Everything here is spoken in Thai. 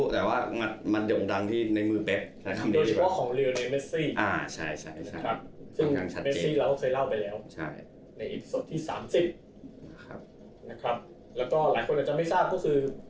แล้วก็หลายคนอาจจะไม่ทราบก็คือ